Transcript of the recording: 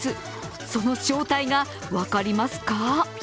その正体が分かりますか？